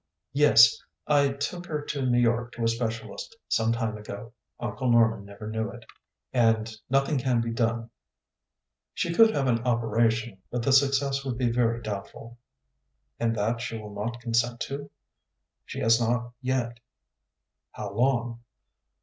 "Yes, I took her to New York to a specialist some time ago. Uncle Norman never knew it." "And nothing can be done?" "She could have an operation, but the success would be very doubtful." "And that she will not consent to?" "She has not yet." "How long?"